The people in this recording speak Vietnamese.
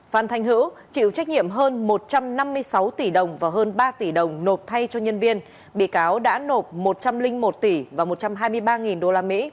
phan thanh hữu chịu trách nhiệm hơn một trăm năm mươi sáu tỷ đồng và hơn ba tỷ đồng nộp thay cho nhân viên bị cáo đã nộp một trăm linh một tỷ và một trăm hai mươi ba usd